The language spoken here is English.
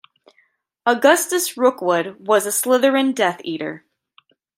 Augustus Rookwood was a Slytherin Death Eater.